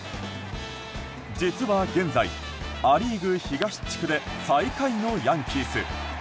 実は現在、ア・リーグ東地区で最下位のヤンキース。